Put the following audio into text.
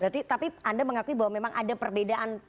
berarti tapi anda mengakui bahwa memang ada perbedaan